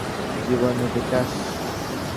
জীবন নিতে চাস?